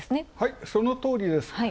そのとおりです。